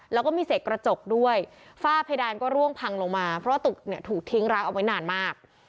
แล้วก็มีเศษกระจกด้วยฝ้าเพดานก็ร่วงพังลงมาเพราะว่าตึกเนี่ยถูกทิ้งร้างเอาไว้นานมาก